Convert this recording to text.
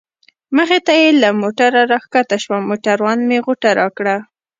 مخې ته یې له موټره را کښته شوم، موټروان مې غوټه راکړه.